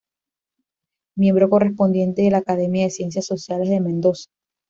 Miembro Correspondiente de la Academia de Ciencias Sociales de Mendoza.